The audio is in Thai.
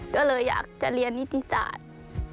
ก็เลยอยากจะเรียนนิติศาสตร์